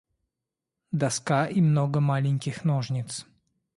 Доска и много маленьких ножниц.